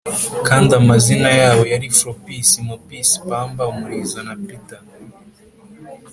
kandi amazina yabo yari - flopsy, mopsy, pamba-umurizo, na peter.